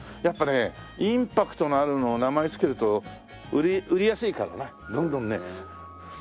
やっぱりねインパクトのあるのを名前つけると売りやすいからなどんどんね。